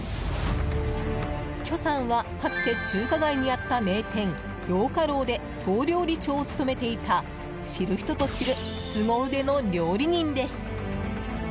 許さんはかつて中華街にあった名店陽華楼で総料理長を務めていた知る人ぞ知るすご腕の料理人です。